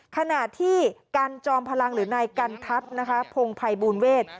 ขณะที่การจอมพลังหรือในการทัพพงภัยบูรเวท